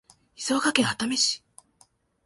静岡県熱海市